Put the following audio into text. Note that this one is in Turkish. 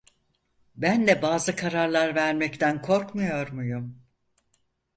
Ben de bazı kararlar vermekten korkmuyor muyum?